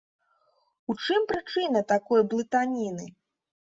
У чым прычына такой блытаніны?